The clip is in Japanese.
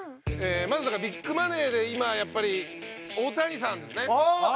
まずだからビッグマネーで今やっぱりオオタニサンですね。